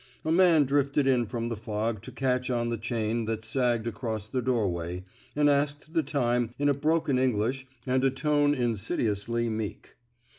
A man drifted in from the fog to catch on the chain that sagged across the doorway, and asked the time in a broken English and a tone insidiously meek.